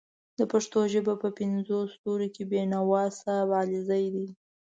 د پښتو ژبې په پینځو ستورو کې بېنوا صاحب علیزی دی